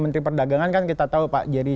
menteri perdagangan kan kita tahu pak jerry